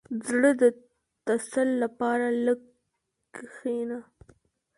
• د زړۀ د تسل لپاره لږ کښېنه.